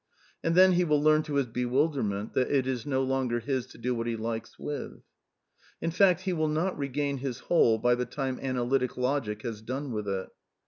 And then he will learn to his bewilderment that it is no longer his to do what he likes with. In fact, he will not recognize his Whole by the time analytic logic has done with it.